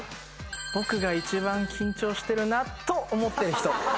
僕が一番緊張してるなと思ってる人。